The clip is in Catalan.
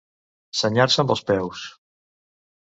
Senyar-se amb els peus.